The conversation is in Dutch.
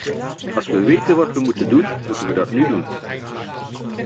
Als we weten wat we moeten doen, moeten we dat nu doen.